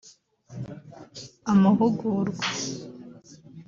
amahugurwa